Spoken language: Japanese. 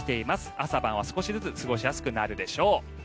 朝晩は少しずつ過ごしやすくなるでしょう。